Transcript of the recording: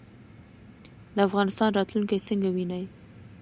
د افغانستان راتلونکی څنګه وینئ؟